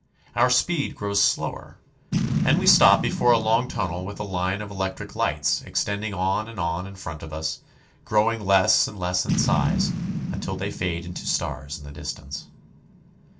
Our speed grows slower, and we stop before a long tunnel with a line COAL MINES. 147 of electric lights extending on and on in front of us, grow ing less and less in size until they fade into stars in the distance.